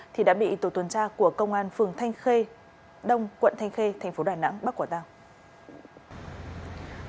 thì đã bị tổ tuần tra của công an phường thanh khê đông quận thanh khê tp đài nẵng bắc quảng tàu